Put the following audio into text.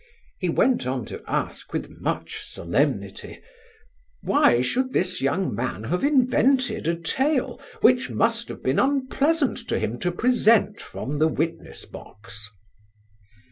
He went on to ask with much solemnity: "Why should this young man have invented a tale, which must have been unpleasant to him to present from the witness box?"